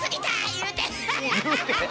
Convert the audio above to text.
言うて？